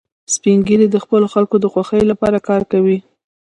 سپین ږیری د خپلو خلکو د خوښۍ لپاره کار کوي